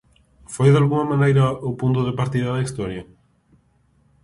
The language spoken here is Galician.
Foi dalgunha maneira o punto de partida da historia?